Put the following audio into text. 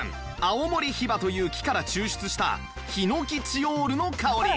青森ヒバという木から抽出したヒノキチオールの香り